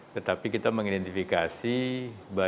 tetapi kita mengidentifikasikan